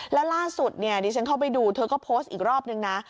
แล้วล่าสุดเนี่ยดิฉันเข้าไปดูเธอก็โพสต์อีกรอบนึงนะ